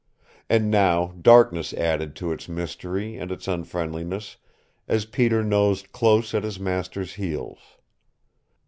And now darkness added to its mystery and its unfriendliness as Peter nosed close at his master's heels.